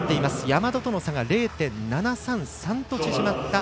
山田との差が０．７３３と縮まった